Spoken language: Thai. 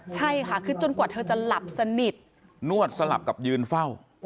ใช่ค่ะคือจนกว่าเธอจะหลับสนิทนวดสลับกับยืนเฝ้า